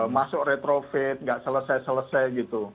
masuk retrofit nggak selesai selesai gitu